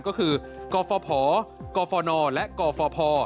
ก็คือกอพอพอกอพอนอและกอพอพอ